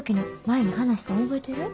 前に話したん覚えてる？